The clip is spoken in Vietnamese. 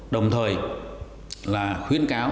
đồng thời là khuyến cáo